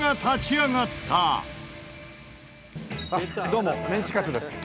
「どうもメンチカツです」